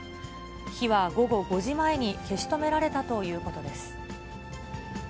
火は午後５時前に消し止められたということです。